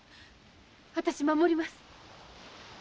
私守ります。